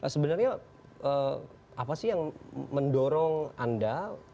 sebenarnya apa sih yang mendorong anda